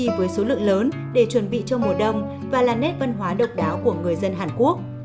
hoạt động muối kim chi với số lượng lớn để chuẩn bị cho mùa đông và là nét văn hóa độc đáo của người dân hàn quốc